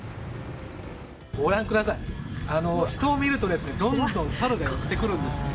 ご覧ください、人を見るとどんどんサルが寄ってくるんですね。